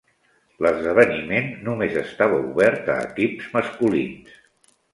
L'esdeveniment només estava obert a equips masculins.